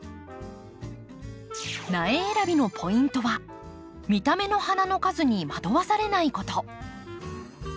苗選びのポイントは見た目の花の数に惑わされないこと。